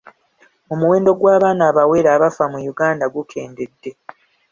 Omuwendo gw'abaana abawere abafa mu Uganda gukendedde.